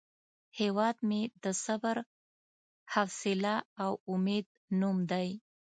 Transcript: هیواد مې د صبر، حوصله او امید نوم دی